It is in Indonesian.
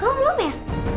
kok belum ya